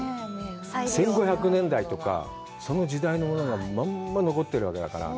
１５００年代とかその時代のものが、まんま残ってるわけだから。